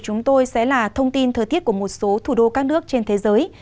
chương trình sẽ là thông tin thời tiết của một số tỉnh thành phố trên cả nước